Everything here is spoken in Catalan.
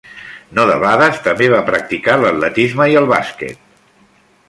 No debades, també va practicar l'atletisme i el bàsquet.